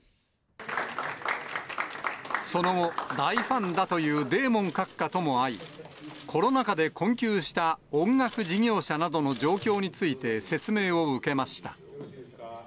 その後、大ファンだというデーモン閣下とも会い、コロナ禍で困窮した音楽事業者などの状況について説明を受けました。